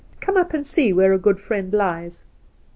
Come up and see where a good friend lies."